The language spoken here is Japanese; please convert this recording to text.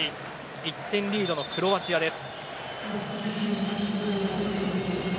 １点リードのクロアチアです。